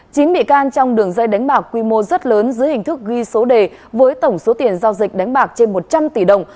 chín bị can trong đường dây đánh bạc quy mô rất lớn dưới hình thức ghi số đề với tổng số tiền giao dịch đánh bạc trên một trăm linh tỷ đồng